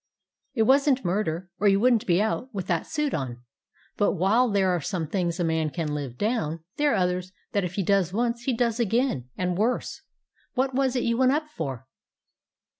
It was n't murder, or you would n't be out with that suit on, but while there are some things a man can live down, there are others that if he does once he does again — and worse. What was it you went up for?"